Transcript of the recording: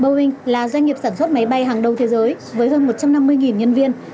boeing là doanh nghiệp sản xuất máy bay hàng đầu thế giới với hơn một trăm năm mươi nhân viên